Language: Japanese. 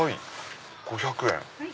５００円。